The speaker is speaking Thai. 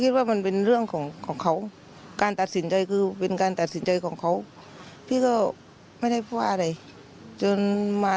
จนแรกก็ไม่ได้อะไรนะเพราะว่าพี่คิดว่ามันเป็นเรื่องของเขา